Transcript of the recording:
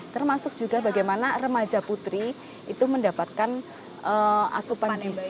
termasuk juga bagaimana remaja putri itu mendapatkan asupan gizi